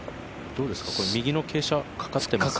右の傾斜、かかってますよね？